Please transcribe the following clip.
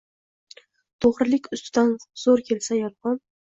To‘g‘rilik ustidan zo‘r kelsa yolg‘on